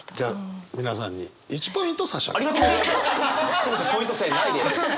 すいませんポイント制ないです！